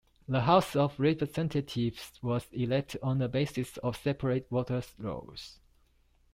The House of Representatives was elected on the basis of separate voters' rolls.